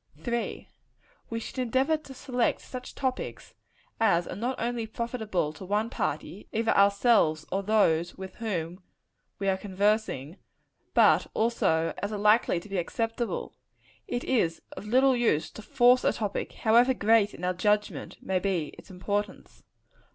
3. We should endeavor to select such topics as are not only profitable to one party either ourselves or those with whom we are conversing but such also as are likely to be acceptable. It is of little use to force a topic, however great, in our judgment, may be its importance.